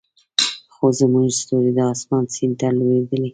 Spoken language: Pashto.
خو زموږ ستوري د اسمان سیند ته لویدلې